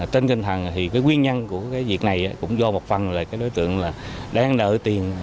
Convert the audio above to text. trên tinh thần thì cái nguyên nhân của cái việc này cũng do một phần là cái đối tượng là đang nợ tiền